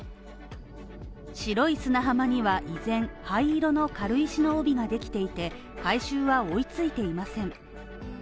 白い砂浜には依然、灰色の軽石の帯ができていて、回収は追いついていません。